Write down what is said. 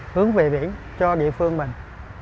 hướng về biển cho địa phương mình